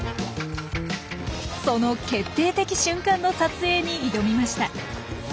その決定的瞬間の撮影に挑みました。